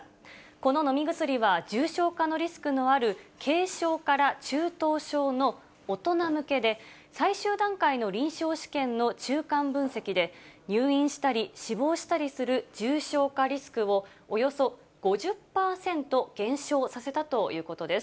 この飲み薬は、重症のリスクのある軽症から中等症の大人向けで、最終段階の臨床試験の中間分析で、入院したり死亡したりする重症化リスクを、およそ５０％減少させたということです。